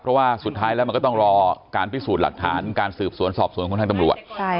เพราะว่าสุดท้ายแล้วมันก็ต้องรอการพิสูจน์หลักฐานการสืบสวนสอบสวนของทางตำรวจ